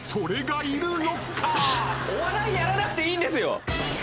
「お笑いやらなくていいんですよ！」